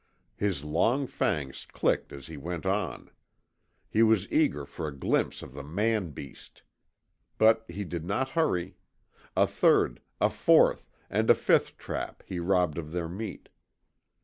His long fangs clicked as he went on. He was eager for a glimpse of the man beast. But he did not hurry. A third, a fourth, and a fifth trap he robbed of their meat.